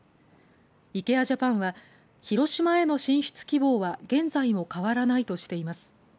イケア・ジャパンは広島への進出希望は現在も変わらないとしています。